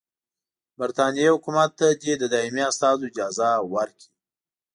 برټانیې حکومت ته دي د دایمي استازو اجازه ورکړي.